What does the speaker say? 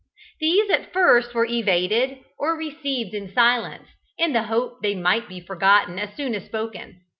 These at first were evaded or received in silence in the hope they might be forgotten as soon as spoken.